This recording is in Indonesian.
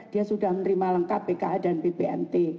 dia sudah menerima lengkap pka dan bpnt